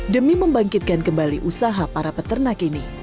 demi membangkitkan kembali usaha para peternak ini